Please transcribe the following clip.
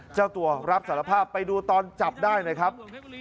เจ้าตัวรับสารภาพไปดูตอนจับได้หน่อยครับ